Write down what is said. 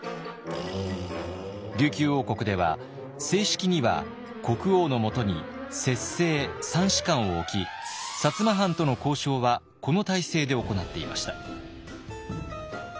琉球王国では正式には国王のもとに摂政三司官を置き摩藩との交渉はこの体制で行っていました。